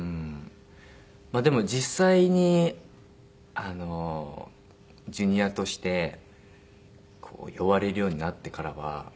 まあでも実際にＪｒ．として呼ばれるようになってからは。